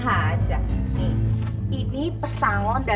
ada nomor tingkat tombol rada